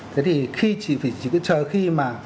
thế thì chỉ cứ chờ khi mà